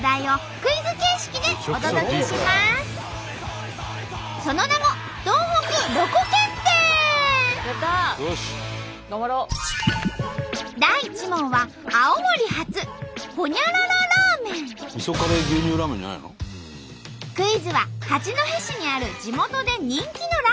クイズは八戸市にある地元で人気のラーメン店から。